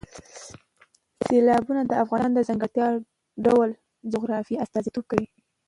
سیلابونه د افغانستان د ځانګړي ډول جغرافیې استازیتوب کوي.